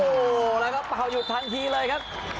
โอ้โหแล้วครับเปล่าหยุดทันทีเลยครับ